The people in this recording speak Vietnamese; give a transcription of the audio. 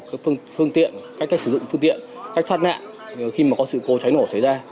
các phương tiện cách cách sử dụng phương tiện cách thoát nạn khi mà có sự cố cháy nổ xảy ra